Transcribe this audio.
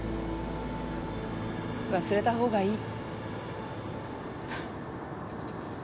忘れたほうがいい。